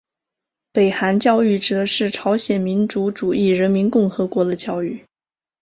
北韩教育指的是朝鲜民主主义人民共和国的教育。